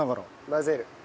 混ぜる。